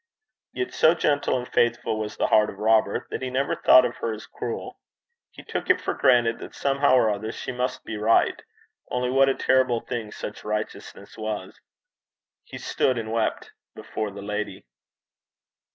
Yet so gentle and faithful was the heart of Robert, that he never thought of her as cruel. He took it for granted that somehow or other she must be right. Only what a terrible thing such righteousness was! He stood and wept before the lady.